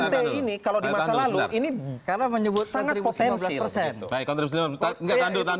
empat puluh delapan t ini kalau di masa lalu ini sangat potensi